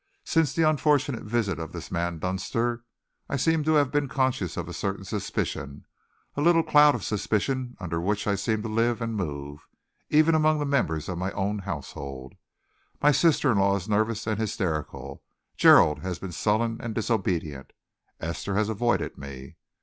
"Since the unfortunate visit of this man Dunster, I seem to have been conscious of a certain suspicion, a little cloud of suspicion under which I seem to live and move, even among the members of my own household. My sister in law is nervous and hysterical; Gerald has been sullen and disobedient; Esther has avoided me.